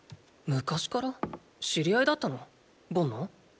知り合いだったのボンの？